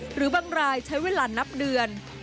หรือบางรายใช้เวลานับเดือน